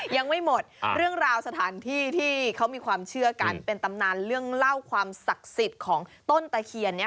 ยังไม่หมดเรื่องราวสถานที่ที่เขามีความเชื่อกันเป็นตำนานเรื่องเล่าความศักดิ์สิทธิ์ของต้นตะเคียนนี้